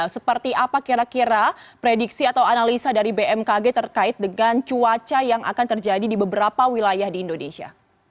seperti apa kira kira prediksi atau analisa dari bmkg terkait dengan cuaca yang akan terjadi di beberapa wilayah di indonesia